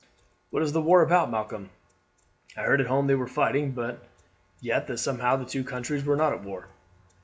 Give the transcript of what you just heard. "What is the war about, Malcolm? I heard at home that they were fighting, but yet that somehow the two countries were not at war."